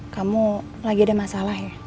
kamu lagi ada masalah ya